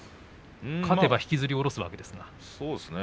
勝てば引きずり降ろすわけですが。